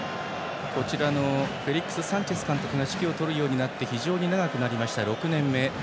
フェリックス・サンチェス監督が指揮を執るようになって非常に長くなりました、６年目。